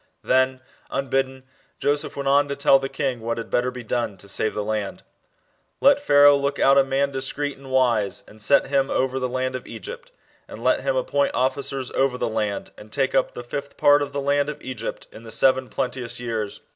* Then, unbidden, Joseph went on to tell the kin: what had better be done to save the land. 66 Let Pharaoh look out a man discreet and wise, and set him over the land of Egypt. ... And let him appoint officers over the land, and take up the fifth part of the land of Egypt in the seven plenteous years.